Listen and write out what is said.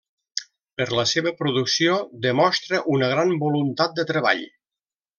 Per la seva producció demostra una gran voluntat de treball.